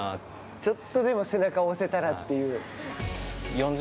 ちょっとでも背中を押せたらという。